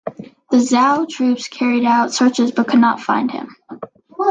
The Zhao troops carried out searches but could not find him.